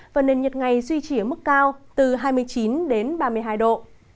và nền nhiệt ngày duy trì ở mức cao từ hai mươi chín đến ba mươi hai độ